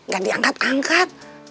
gak diangkat angkat